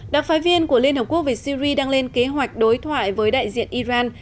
đặc phái viên của liên hợp quốc về syri đang lên kế hoạch đối thoại với đại diện iran